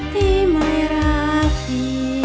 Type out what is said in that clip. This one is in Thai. ที่ไม่รักเธอ